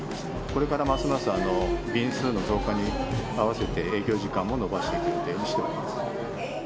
これからますます、便数の増加に合わせて営業時間も延ばしていく予定にしております。